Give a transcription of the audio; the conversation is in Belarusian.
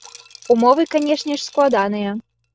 Умовы, канешне ж, складаныя.